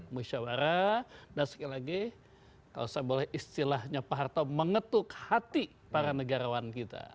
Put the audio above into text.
musyawarah dan sekali lagi kalau saya boleh istilahnya pak harto mengetuk hati para negarawan kita